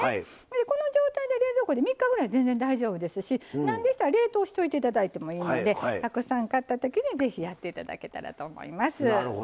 この状態で冷蔵庫で３日ぐらい全然、大丈夫ですしなんなら冷凍しておいていただいても大丈夫ですからたくさん買ったときに、ぜひやっていただけたらと思います。